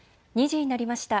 ２時になりました。